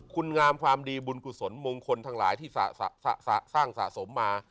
คุณงามความดีบุญกุศลมงคลทั้งหลายที่สร้างสะสมมา